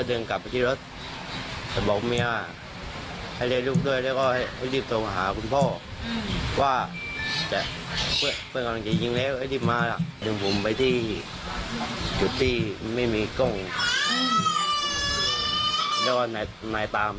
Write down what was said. ถูกที่ไม่มีกล้องแล้วก็นายตามได้มาหยุดก็จะชกผม